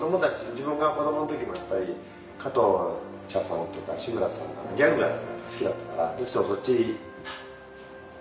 自分が子供のときもやっぱり加藤茶さんとか志村さんのギャグが好きだったからどうしてもそっち見て。